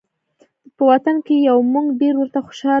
په وطن کې یو موږ ډېر ورته خوشحاله